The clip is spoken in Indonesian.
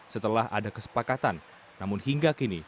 setelah ada kesepakatan namun hingga kini